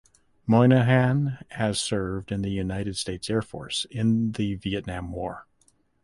Moynihan has served in the United States Air Force in the Vietnam War.